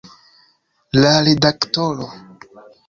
La redaktoro.